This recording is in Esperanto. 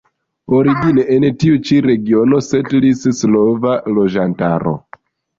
Origine en tiu ĉi regiono setlis slava loĝantaro.